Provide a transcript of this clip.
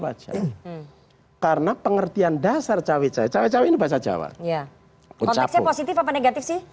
wajar karena pengertian dasar cawe cawe cawe ini bahasa jawa ya untuk positif negatif sih